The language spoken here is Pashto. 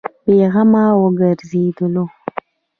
بې غمه وغځېدلو.